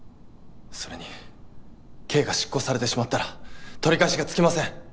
それに刑が執行されてしまったら取り返しがつきません。